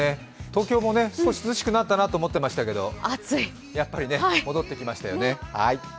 東京も少し涼しくなったなと思いましたけどやっぱり戻ってきましたよね。